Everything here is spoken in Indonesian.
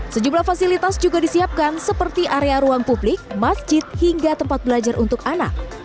sejumlah fasilitas juga disiapkan seperti area ruang publik masjid hingga tempat belajar untuk anak